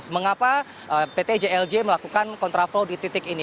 mengapa pt jlj melakukan kontraflow di titik ini